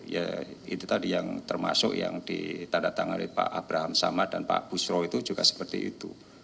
ya itu tadi yang termasuk yang ditandatangani pak abraham samad dan pak busro itu juga seperti itu